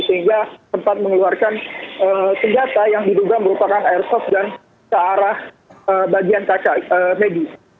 sehingga sempat mengeluarkan senjata yang diduga merupakan airsoft dan ke arah bagian kakak megi